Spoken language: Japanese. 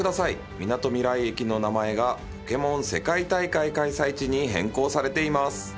みなとみらい駅の名前がポケモン世界大会開催地に変更されています。